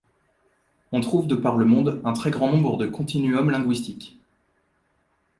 On trouve de par le monde un très grand nombre de continuums linguistiques.